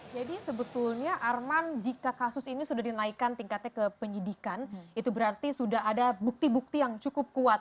sebetulnya arman jika kasus ini sudah dinaikkan tingkatnya ke penyidikan itu berarti sudah ada bukti bukti yang cukup kuat